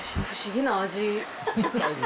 不思議な味。